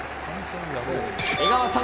江川さん